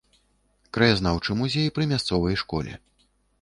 Краязнаўчы музей пры мясцовай школе.